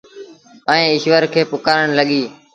ائيٚݩ ايٚشور کي پُڪآرڻ لڳيٚ۔